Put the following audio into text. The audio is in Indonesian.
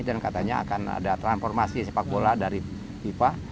dan katanya akan ada transformasi sepak bola dari fifa